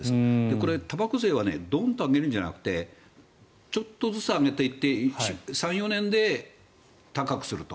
これ、たばこ税はドンと上げるんじゃなくてちょっとずつ上げていって３４年で高くすると。